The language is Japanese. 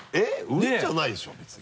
浮いてないでしょ別に。